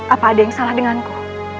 apa ada yang salah denganku